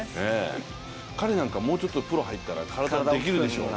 彼なんかもうちょっとプロ入ったら、体できるでしょ？